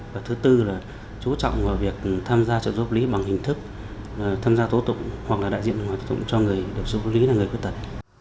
và thứ bốn là chú trọng vào việc tham gia trợ giúp pháp lý bằng hình thức tham gia tố tụng hoặc là đại diện tố tụng cho người được trợ giúp pháp lý là người khuyết tật